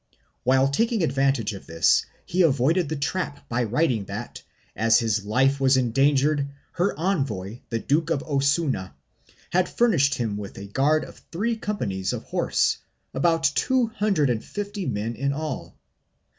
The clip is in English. While taking advantage of this he avoided the trap by writing that, as his life was endangered, her envoy, the Duke of Osuna, had furnished him with a guard of three companies of horse — about 250 men in all.